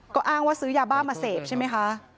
ก็อ้างว่าซื้อยาบ้ามาเสพใช่ไหมคะ